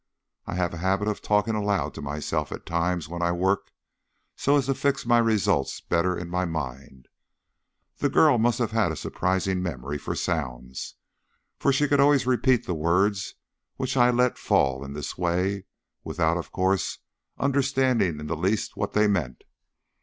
I have a habit of talking aloud to myself at times when I work, so as to fix my results better in my mind. The girl must have had a surprising memory for sounds, for she could always repeat the words which I let fall in this way, without, of course, understanding in the least what they meant.